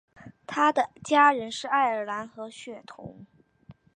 他的家人是爱尔兰和血统。